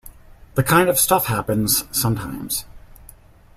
The kind of stuff happens sometimes.